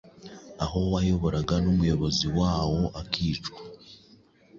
aho wayoboraga n'umuyobozi wawo akicwa